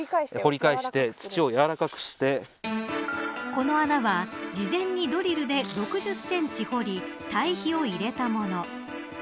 この穴は事前にドリルで６０センチ堀り堆肥を入れたもの。